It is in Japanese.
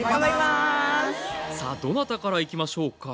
さあどなたからいきましょうか？